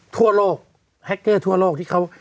ทั่วโลกแฮคเกอร์ทั่วโลกที่เขา